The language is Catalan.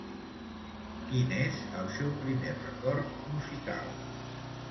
Quin és el seu primer record musical?